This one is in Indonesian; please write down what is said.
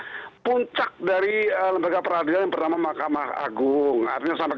ini bahkan mengait kepada puncak dari lembaga peradilan pertama mahkamah agung artinya sampai